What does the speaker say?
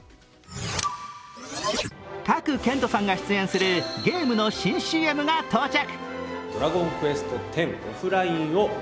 賀来賢人さんが出演するゲームの新ＣＭが到着。